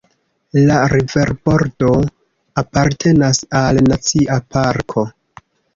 La riverbordo apartenas al Nacia parko.